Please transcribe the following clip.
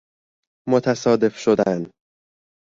متصادف شدن